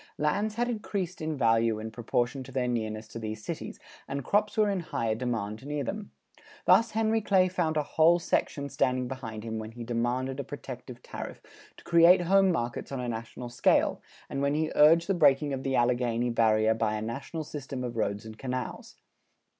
Lands had increased in value in proportion to their nearness to these cities, and crops were in higher demand near them. Thus Henry Clay found a whole section standing behind him when he demanded a protective tariff to create home markets on a national scale, and when he urged the breaking of the Alleghany barrier by a national system of roads and canals.